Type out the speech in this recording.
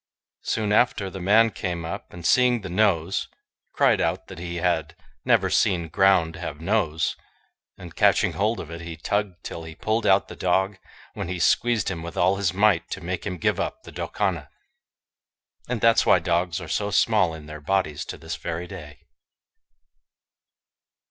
Soon after the man came up, and seeing the nose, cried out that he had "never seen ground have nose"; and catching hold of it he tugged till he pulled out the dog, when he squeezed him with all his might to make him give up the Doukana. And that's why dogs are so small in their bodies to this very day.